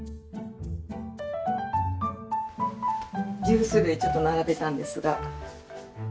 ジュース類ちょっと並べたんですが。